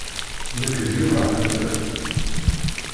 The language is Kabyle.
Nekk d Yuba Hunter.